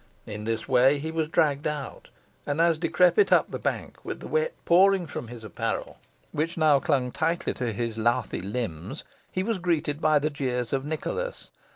In this way he was dragged out; and as he crept up the bank, with the wet pouring from his apparel, which now clung tightly to his lathy limbs, he was greeted by the jeers of Nicholas.